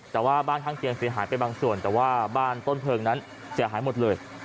แต่ว่าบ้านข้างเคียงเสียหายไปบางส่วนแต่ว่าบ้านต้นเพลิงนั้นเสียหายหมดเลย